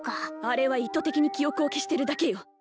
あれは意図的に記憶を消してるだけよ